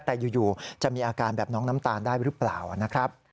แต่อยู่จะมีอาการแบบน้องน้ำตาลได้หรือเปล่านะครับ